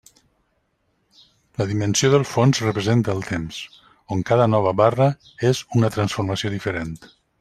La dimensió del fons representa el temps, on cada nova barra és una transformació diferent.